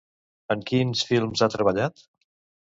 En quins films ha treballat?